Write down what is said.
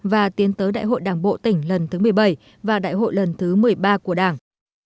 và tiến tới đại hội đảng bộ tỉnh lần thứ một mươi bảy và đại hội lần thứ một mươi ba của đảng